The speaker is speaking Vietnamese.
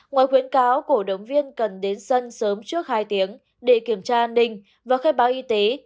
ngoài khuyến cáo cổ động viên cần đến sân sớm trước hai tiếng để kiểm tra an ninh và khai báo y tế